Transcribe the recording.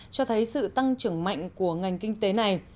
cho thấy sự tăng trưởng mạnh của ngành kinh tế này